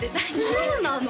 そうなの？